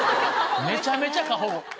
めちゃめちゃ過保護。